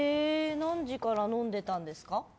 何時から飲んでたんですか？